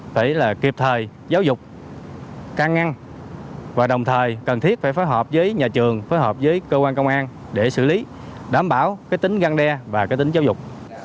phải là kịp thời giáo dục căn ngăn và đồng thời cần thiết phải phối hợp với nhà trường phối hợp với cơ quan công an để xử lý đảm bảo cái tính găng đe và cái tính giáo dục